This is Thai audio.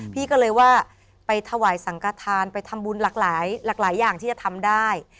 พี่ก็เลยว่าไปถวายสังกฐานไปทำบุญหลากหลายหลากหลายอย่างที่จะทำได้